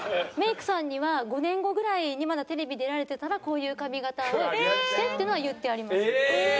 メイクさんには５年後ぐらいにまだテレビ出られてたらこういう髪形をしてっていうのは言ってあります。